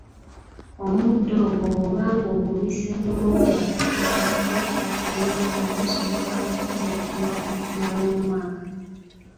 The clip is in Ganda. Omuddo ogwo bw’oba ng’ogubisse bulungi akaveera n’ettaka erimala gusobola okuterekebwa okumala omwaka.